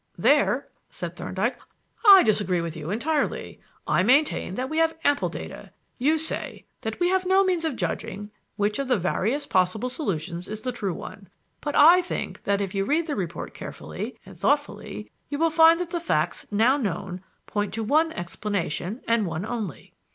"There," said Thorndyke, "I disagree with you entirely. I maintain that we have ample data. You say that we have no means of judging which of the various possible solutions is the true one; but I think that if you read the report carefully and thoughtfully you will find that the facts now known point to one explanation, and one only.